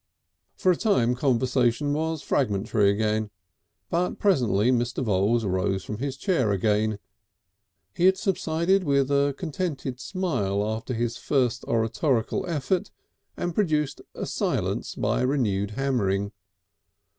For a time conversation was fragmentary again. But presently Mr. Voules rose from his chair again; he had subsided with a contented smile after his first oratorical effort, and produced a silence by renewed hammering.